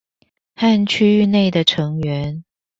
和區域內的成員